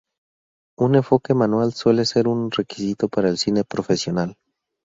Un enfoque manual suele ser un requisito para el cine profesional.